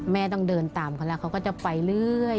ต้องเดินตามเขาแล้วเขาก็จะไปเรื่อย